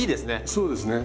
そうですね。